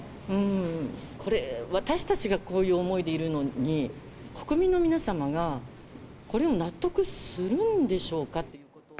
これ、私たちがこういう思いでいるのに、国民の皆様がこれを納得するんでしょうかって。